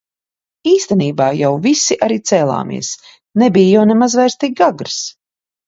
Īstenībā jau visi arī cēlāmies, nebija jau nemaz vairs tik agrs.